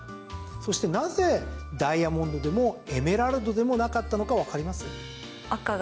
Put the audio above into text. そして、なぜダイヤモンドでもエメラルドでもなかったのかわかります？